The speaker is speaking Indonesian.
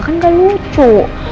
kan nggak lucu